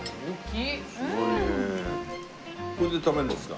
これで食べるんですか？